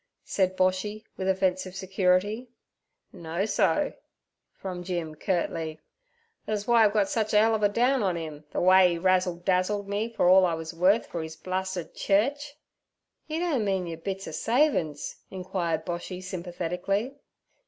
said Boshy, with offensive security. 'Know so' from Jim curtly; 'that's w'y I've got such a 'ell of a down on 'im ther way 'e razzle dazzled me for all I wuz worth for e's blastid church.' 'Yer doan mean yer bits er savin's?' inquired Boshy sympathetically.